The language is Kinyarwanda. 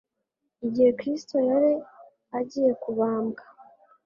Igihe Kristo yari agiye kubambwa,